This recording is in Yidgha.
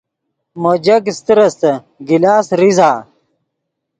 مو جگ استر استت گلاس ریزہ